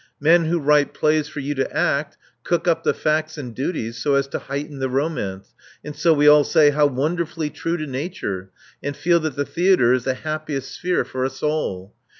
Men who write plays for you to act, cook up the facts and duties so as to heighten the romance; and so we all say *How wonderfully true to nature !' and feel that the theatre is the happiest sphere for us all.